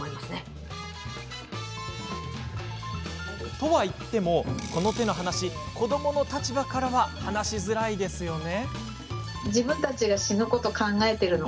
とはいっても、この手の話子どもの立場からは話しづらいですよね。